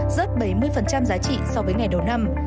rớt bảy mươi giá trị so với ngày đầu năm